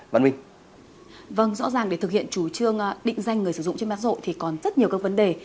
vâng rõ ràng để thực hiện chủ trương định danh người sử dụng trên mạng rộ thì còn rất nhiều các vấn đề